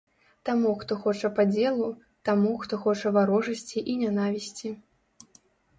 Таму, хто хоча падзелу, таму, хто хоча варожасці і нянавісці.